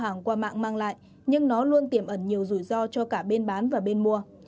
khi mà bán hàng qua mạng mang lại nhưng nó luôn tiềm ẩn nhiều rủi ro cho cả bên bán và bên mua